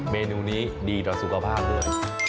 เมนูนี้ดีต่อสุขภาพด้วย